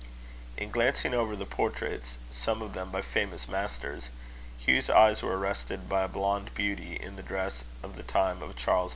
In glancing over the portraits, some of them by famous masters, Hugh's eyes were arrested by a blonde beauty in the dress of the time of Charles II.